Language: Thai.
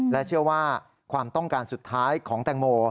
และเชื่อว่าความต้องการสุดท้ายของแตงโม